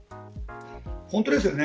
本当ですよね。